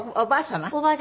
おばあ様？